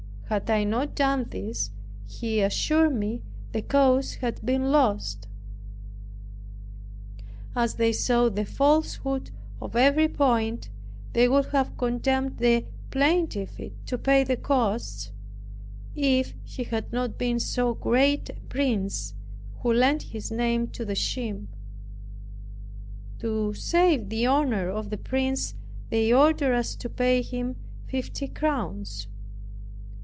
Had I not done this, he assured me the cause had been lost. As they saw the falsehood of every point, they would have condemned the plaintiff to pay the costs, if he had not been so great a prince, who lent his name to the scheme. To save the honor of the prince they ordered us to pay him fifty crowns.